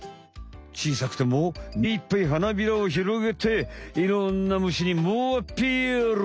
ちいさくてもめいっぱい花びらをひろげていろんな虫にもうアピール。